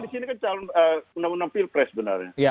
di sini kan calon undang undang pilpres sebenarnya